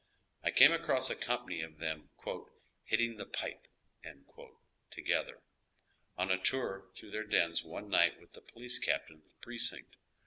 I came across a company of them " hitting the pipe " to getlier, on a tour through their dens one night with the police captain of the precinct.